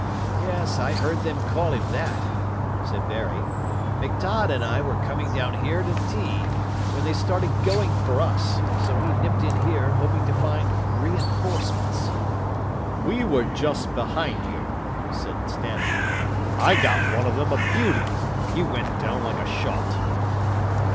"Yes, I heard them call him that," said Barry. "McTodd and I were coming down here to tea, when they started going for us, so we nipped in here, hoping to find reinforcements." "We were just behind you," said Stanning. "I got one of them a beauty. He went down like a shot."